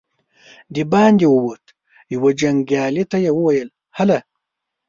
د باندې ووت، يوه جنګيالي ته يې وويل: هله!